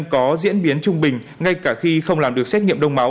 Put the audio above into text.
có diễn biến trung bình ngay cả khi không làm được xét nghiệm